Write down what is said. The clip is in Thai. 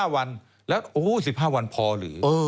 ๑๕วันแล้วโอ้ว๑๕วันพอหรือ